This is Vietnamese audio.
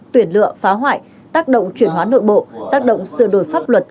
tuyển lựa phá hoại tác động chuyển hóa nội bộ tác động sửa đổi pháp luật